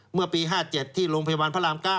เมื่อปี๕๗ที่โรงพยาบาลพระราม๙